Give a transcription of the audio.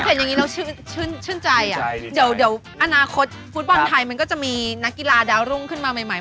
เห็นอย่างนี้เราชื่นใจเดี๋ยวอนาคตฟุตบอลไทยมันก็จะมีนักกีฬาดาวรุ่งขึ้นมาใหม่